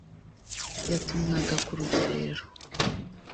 yatumwaga ku rugerero